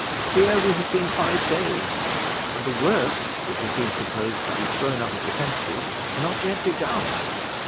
Here we have been five days, and the works which have been proposed to be thrown up as defenses, not yet begun."